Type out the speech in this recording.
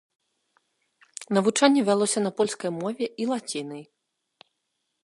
Навучанне вялося на польскай мове і лацінай.